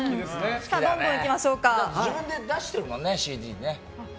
自分で出してるもんねＣＤね。